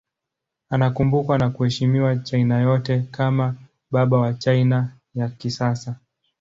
Anakumbukwa na kuheshimiwa China yote kama baba wa China ya kisasa.